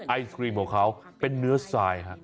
ไอศครีมของเขาเป็นเนื้อทรายฮะ